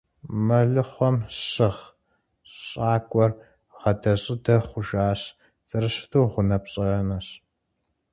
Мэлыхъуэм щыгъ щӀакӀуэр гъадэ-щӀыдэ хъужащ, зэрыщыту гъуанэпщӀанэщ.